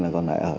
còn lại ở